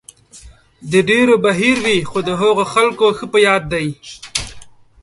د ډېرو به هېر وي، خو د هغو خلکو ښه په یاد دی.